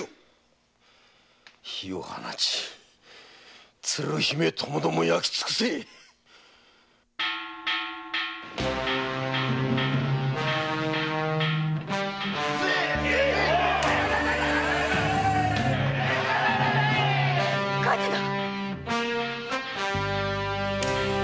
火を放ち鶴姫ともども焼き尽くせ！火事だ！